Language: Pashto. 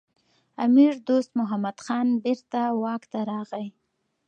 امیر دوست محمد خان بیرته واک ته راغی.